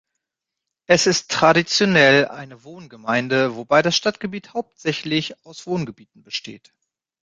Es ist traditionell eine Wohngemeinde, wobei das Stadtgebiet hauptsächlich aus Wohngebieten besteht.